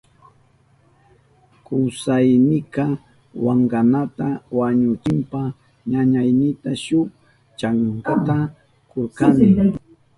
Kusaynika wankanata wañuchishpan ñañaynita shuk chankata kurkani.